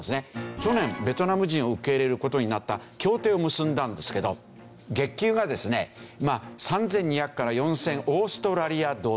去年ベトナム人を受け入れる事になった協定を結んだんですけど月給がですね３２００から４０００オーストラリアドル。